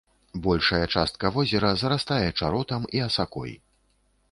Большая частка возера зарастае чаротам і асакой.